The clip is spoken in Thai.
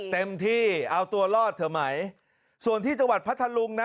เต็มที่เอาตัวรอดเถอะไหมส่วนที่จังหวัดพัทธลุงนะ